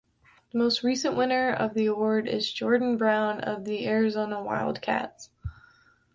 The most recent winner of the award is Jordan Brown of the Arizona Wildcats.